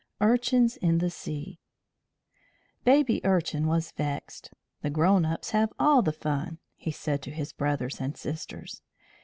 URCHINS IN THE SEA Baby Urchin was vexed. "The grown ups have all the fun," he said to his brothers and sisters.